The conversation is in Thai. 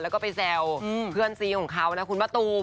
แล้วก็ไปแซวเพื่อนซีของเขานะคุณมะตูม